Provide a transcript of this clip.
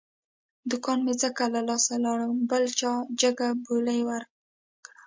دوکان مې ځکه له لاسه لاړ، بل چا جگه بولۍ ور کړه.